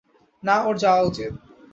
না ওর যাওয়া উচিত।